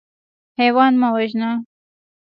حیوان مه وژنه.